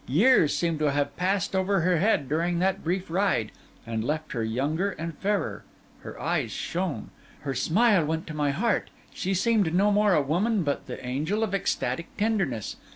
Years seemed to have passed over her head during that brief ride, and left her younger and fairer; her eyes shone, her smile went to my heart; she seemed no more a woman but the angel of ecstatic tenderness.